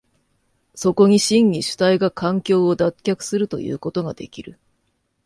そこに真に主体が環境を脱却するということができる。